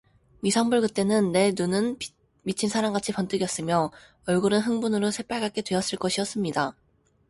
미상불 그때는 내 눈은 미친 사람같이 번득였으며 얼굴은 흥분으로 새빨갛게 되었을 것이었습니다.